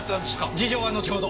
事情は後ほど。